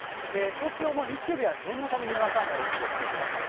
東京も日曜日は念のため、にわか雨お気をつけください。